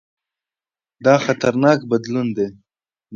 دا خطرناک بدلون دی.